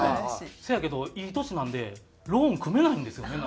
せやけどいい年なんでローン組めないんですよね。